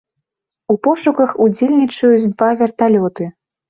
У пошуках удзельнічаюць два верталёты.